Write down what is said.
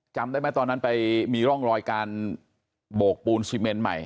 จำได้ไหมตอนนั้นไปมีร่องรอยการโบกปูนซีเมนใหม่